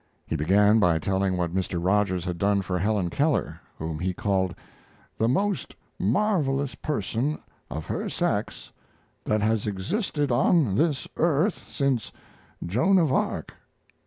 He began by telling what Mr. Rogers had done for Helen Keller, whom he called "the most marvelous person of her sex that has existed on this earth since Joan of Arc."